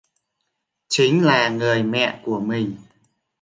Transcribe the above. Chính là người mẹ của mình